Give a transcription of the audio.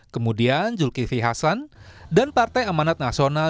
kemudian zulkifli hasan dan partai amanat nasional